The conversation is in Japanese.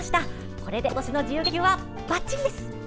これで今年の自由研究はばっちりです。